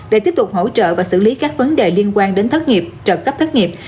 để tiếp tục hỗ trợ và xử lý các vấn đề liên quan đến thất nghiệp trợ cấp thất nghiệp